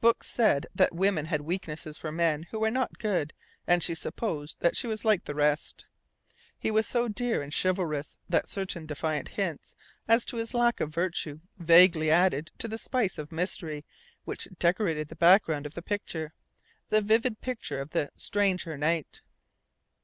Books said that women had a weakness for men who were not good and she supposed that she was like the rest. He was so dear and chivalrous that certain defiant hints as to his lack of virtue vaguely added to the spice of mystery which decorated the background of the picture the vivid picture of the "stranger knight."